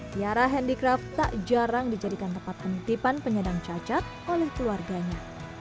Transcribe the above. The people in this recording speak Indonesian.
tiara handicraft tak jarang dijadikan tempat penitipan penyandang cacat oleh keluarganya